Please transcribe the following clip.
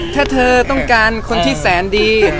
ถ้าเธอต้องการคนที่แสนดี